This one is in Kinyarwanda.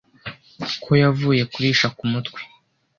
ko yavuye kurisha ku mutwe